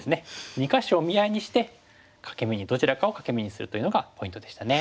２か所を見合いにしてどちらかを欠け眼にするというのがポイントでしたね。